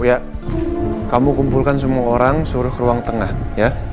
ya kamu kumpulkan semua orang suruh ke ruang tengah ya